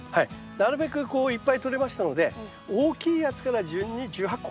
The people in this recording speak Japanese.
なるべくこういっぱいとれましたので大きいやつから順に１８個。